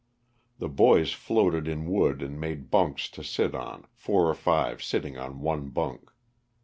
The boys floated in wood and made bunks to sit on, four or five sitting on one bunk.